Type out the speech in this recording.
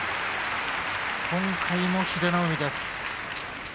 今回も英乃海です。